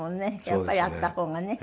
やっぱりあった方がね